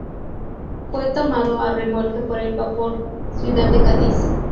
Fue tomado a remolque por el vapor "Ciudad de Cádiz".